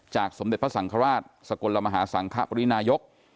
สมเด็จพระสังฆราชสกลมหาสังคปรินายก